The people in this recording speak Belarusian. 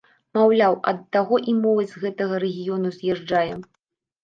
Маўляў, ад таго і моладзь з гэтага рэгіёну з'язджае.